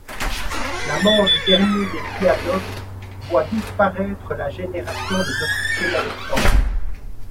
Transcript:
La mort du dernier des Diadoques voit disparaître la génération des officiers d'Alexandre.